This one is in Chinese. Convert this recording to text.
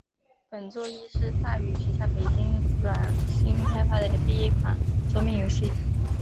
本作亦是大宇旗下北京软星开发的第一款桌面游戏。